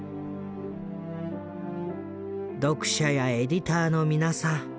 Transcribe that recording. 「読者やエディターの皆さん